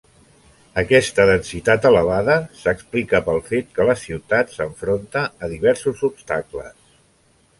Aquesta densitat elevada s'explica pel fet que la ciutat s'enfronta a diversos obstacles.